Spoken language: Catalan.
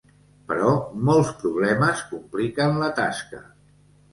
Però molts problemes compliquen la tasca.